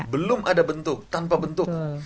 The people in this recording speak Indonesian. belum ada bentuk tanpa bentuk